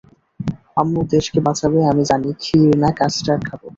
আম্মু দেশকে বাঁচাবে আমি জানি খিঁর না কাস্টার্ড খাবে।